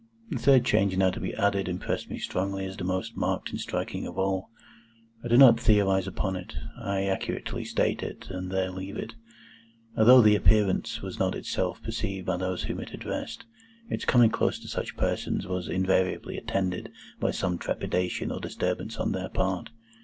The third change now to be added impressed me strongly as the most marked and striking of all. I do not theorise upon it; I accurately state it, and there leave it. Although the Appearance was not itself perceived by those whom it addressed, its coming close to such persons was invariably attended by some trepidation or disturbance on their part.